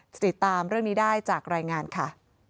ติดตามเรื่องนี้ได้จากรายงานค่ะ